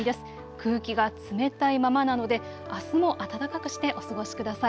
空気が冷たいままなのであすも暖かくしてお過ごしください。